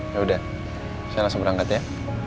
yaudah saya langsung berangkat ya